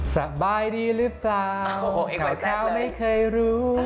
สบายดีหรือเปล่าเพราะไม่เคยรู้